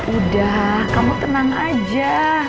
udah kamu tenang aja